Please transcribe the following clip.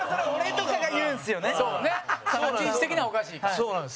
：そうなんです。